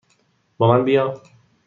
با من بیا!